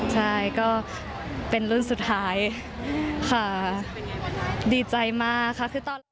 ใช่ก็เป็นรุ่นสุดท้ายค่ะดีใจมากค่ะ